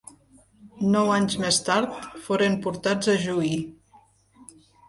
Nou anys més tard foren portats a juí.